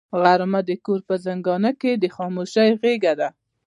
غرمه د کور په زنګانه کې د خاموشۍ غېږه ده